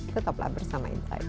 tetaplah bersama insight